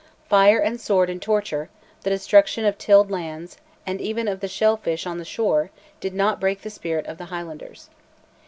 Fire and sword and torture, the destruction of tilled lands, and even of the shell fish on the shore, did not break the spirit of the Highlanders.